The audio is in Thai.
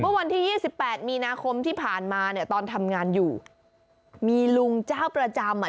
เมื่อวันที่ยี่สิบแปดมีนาคมที่ผ่านมาเนี่ยตอนทำงานอยู่มีลุงเจ้าประจำอ่ะ